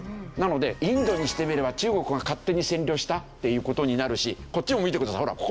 なのでインドにしてみれば中国が勝手に占領したっていう事になるしこっちも見てください